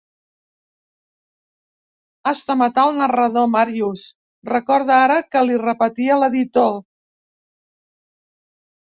Has de matar el narrador, Màrius —recorda ara que li repetia l'editor—.